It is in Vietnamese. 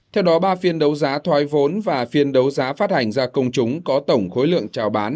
theo đó ba phiên đấu giá thoái vốn và phiên đấu giá phát hành ra công chúng có tổng khối lượng trao bán